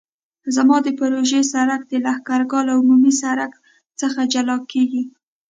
زما د پروژې سرک د لښکرګاه له عمومي سرک څخه جلا کیږي